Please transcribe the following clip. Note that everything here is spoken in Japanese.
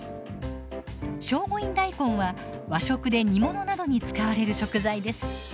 聖護院大根は和食で煮物などに使われる食材です。